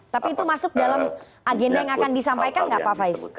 tapi itu masuk dalam agenda yang akan disampaikan nggak pak faiz